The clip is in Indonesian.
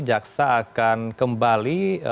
jaksa akan kembali